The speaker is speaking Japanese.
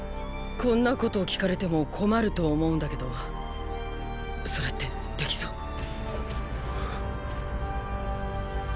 こんなこと聞かれても困ると思うんだけどそれってできそう？